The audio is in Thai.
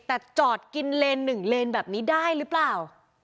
แต่จอดกินเลนหนึ่งเลนแบบนี้ได้หรือเปล่า